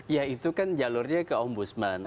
ya itu kan jalurnya ke ombudsman